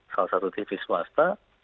salah satu tv swasta